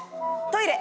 トイレ？